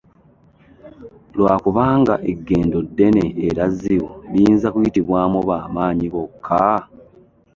Lwa kubanga eggendo ddene era zzibu liyinza kuyitibwamu ba maanyi bokka?